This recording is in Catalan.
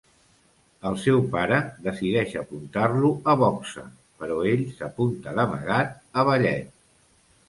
El seu pare decideix apuntar-lo a boxa, però ell s'apunta d’amagat a ballet.